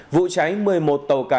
vụ cháy một mươi một tàu cá